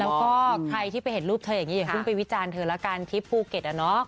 แล้วก็ใครที่ไปเห็นรูปเธออย่างนี้อย่าเพิ่งไปวิจารณ์เธอละกันที่ภูเก็ต